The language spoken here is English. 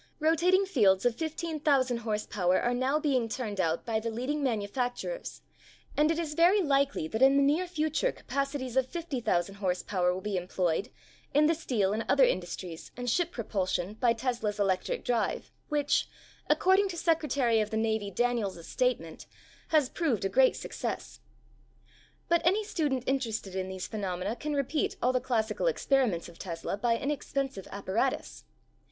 Rotating fields of 15,000 horsepower are now being turned out by the leading manu facturers and it is very likely that in the near future capacities of 50,000 horsepower will be employed in the steel and other in dustries and ship propulsion by Tesla's electric drive which, according to Secretary of the Navy Daniels' statement, has proved a great success. But any student interested in these phe nomena can repeat all the classical experi ments of Tesla by inexpensive apparatus.